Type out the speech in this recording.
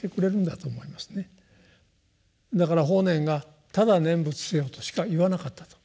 だから法然がただ念仏せよとしか言わなかったと。